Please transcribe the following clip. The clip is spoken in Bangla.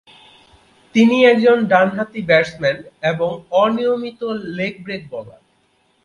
তিনি একজন ডানহাতি ব্যাটসম্যান এবং অনিয়মিত লেগ ব্রেক বোলার।